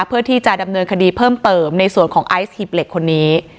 เพื่อที่จะดำเนินคดีเพิ่มเติมในส่วนของไอซ์หีบเหล็กคนนี้